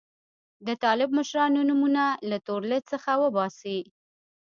د طالب مشرانو نومونه له تور لیست څخه وباسي.